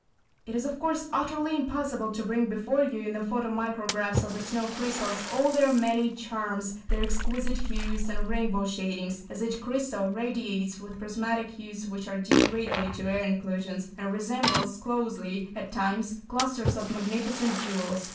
It is of course utterly impossible to bring before you in the photo micrographs of the snow crystals all their many charms, their exquisite hues and rainbow shadings, as each crystal radiates with prismatic hues which are due greatly to air inclusions and resembles closely at times, clusters of magnificent jewels.